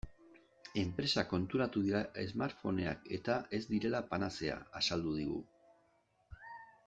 Enpresak konturatu dira smartphoneak-eta ez direla panazea, azaldu digu.